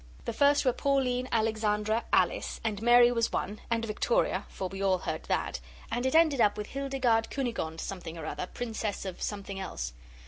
The first were Pauline, Alexandra, Alice, and Mary was one, and Victoria, for we all heard that, and it ended up with Hildegarde Cunigonde something or other, Princess of something else.